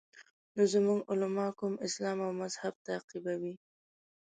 نو زموږ علما کوم اسلام او مذهب تعقیبوي.